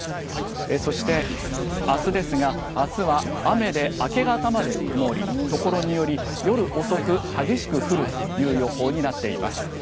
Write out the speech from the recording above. そしてあすですが、あすは雨で明け方まで曇り、ところにより夜遅く激しく降るという予報になっています。